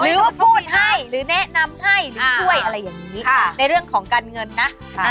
พูดให้หรือแนะนำให้หรือช่วยอะไรอย่างนี้ในเรื่องของการเงินนะ